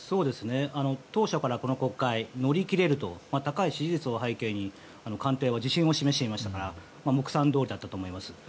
当初からこの国会高い支持率を背景に官邸は自信を示していましたが目算どおりだったと思います。